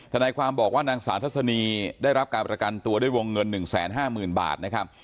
ธนายความบอกว่านางสาวทัศนีได้รับการประกันตัวด้วยวงเงิน๑๕๐๐๐๐บาทนะครับใช้หลักทรัพย์เป็นโฉนดที่ดินยื่นประกันนะครับ